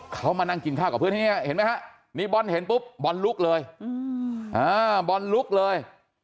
เขามานั่งกินข้าวกับเพื่อนนี่บอลเห็นปุ๊บบอลลุกเลย